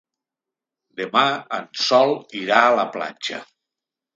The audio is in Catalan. Demà en Sol irà a la platja.